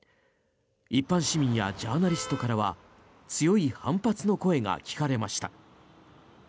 一般市民やジャーナリストからは強い反発の声が聞かれました。